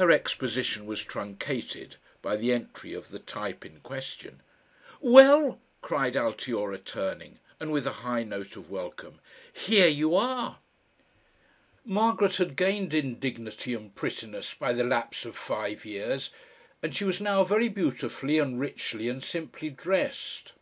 Her exposition was truncated by the entry of the type in question. "Well!" cried Altiora turning, and with a high note of welcome, "HERE you are!" Margaret had gained in dignity and prettiness by the lapse of five years, and she was now very beautifully and richly and simply dressed.